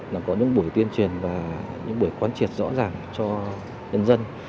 là có những buổi tuyên truyền và những buổi quan triệt rõ ràng cho nhân dân